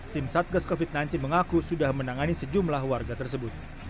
tim satgas covid sembilan belas mengaku sudah menangani sejumlah warga tersebut